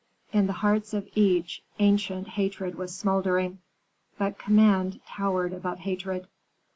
In the hearts of each ancient hatred was smouldering. But command towered above hatred.